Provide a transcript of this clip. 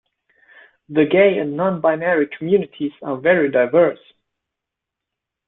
The gay and non-binary communities are very diverse.